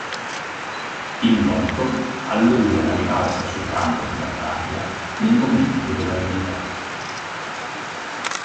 Il motto allude alla rivalsa sul campo di battaglia, "nel momento della verità".